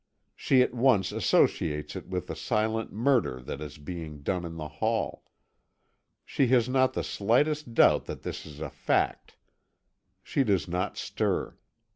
She at once associates it with the silent murder that is being done in the hall. She has not the slightest doubt that this is a fact. She does not stir.